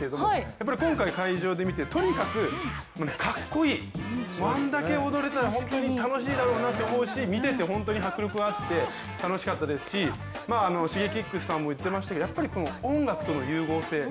やっぱり今回、会場で見てとにかくかっこいい、あれだけ踊れたら本当に楽しいだろうなと思うし、見てて本当に迫力があって楽しかったですしＳｈｉｇｅｋｉｘさんも言ってましたけど音楽との融合性。